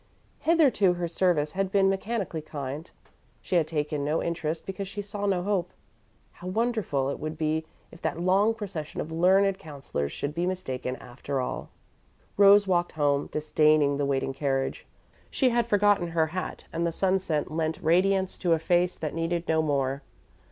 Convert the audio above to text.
Hitherto her service had been mechanically kind; she had taken no interest because she saw no hope. How wonderful it would be if that long procession of learned counsellors should be mistaken after all! Rose walked home, disdaining the waiting carriage. She had forgotten her hat and the sunset lent radiance to a face that needed no more.